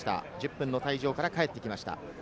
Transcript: １０分の退場から帰ってきました。